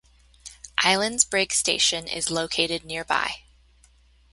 Islands Brygge Station is located nearby.